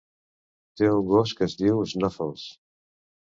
Té un gos que es diu Snuffles.